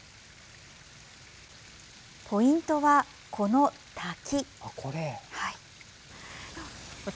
ポイントは、この滝。